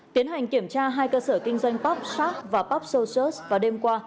tiến hành kiểm tra hai cơ sở kinh doanh pub sark và pub socials vào đêm qua